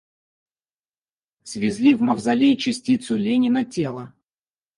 Свезли в мавзолей частицу Ленина — тело.